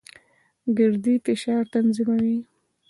ګردې فشار تنظیموي.